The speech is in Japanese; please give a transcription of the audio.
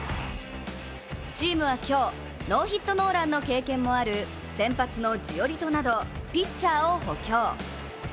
チームは今日、ノーヒットノーランの経験もある先発のジオリトなどピッチャーを補強。